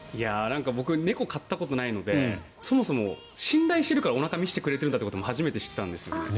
僕猫、飼ったことないのでそもそも信頼しているからおなかを見せてくれるということも初めて知ったんですよね。